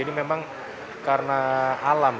jadi memang karena alam ya